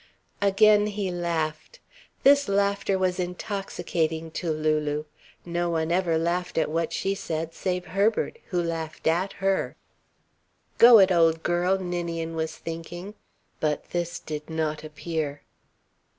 Again he laughed. This laughter was intoxicating to Lulu. No one ever laughed at what she said save Herbert, who laughed at her. "Go it, old girl!" Ninian was thinking, but this did not appear.